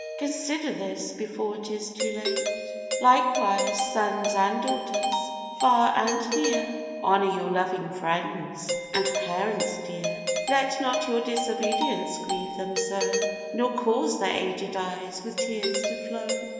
Consider this before it is too late. Likewise, sons and daughters, far and near, Honour your loving friends, and parents dear; Let not your disobedience grieve them so, Nor cause their agèd eyes with tears to flow.